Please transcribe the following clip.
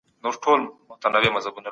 د سانسور سوو کتابونو له لوستلو ډډه وکړئ.